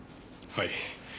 はい。